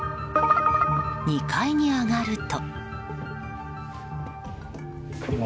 ２階に上がると。